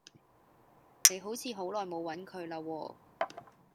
你好似好耐冇揾佢啦喎